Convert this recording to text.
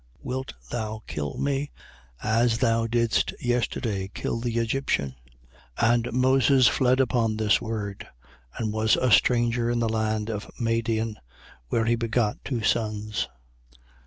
Wilt thou kill me, as thou didst yesterday kill the Egyptian? 7:29. And Moses fled upon this word: and was a stranger in the land of Madian, where he begot two sons.